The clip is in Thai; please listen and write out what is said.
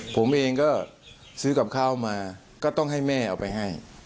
ผมเองก็ซื้อกับข้าวมาก็ต้องให้แม่เอาไปให้